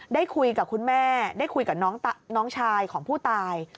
ได้คุยกับคุณแม่ได้คุยกับน้องชายของผู้ตาย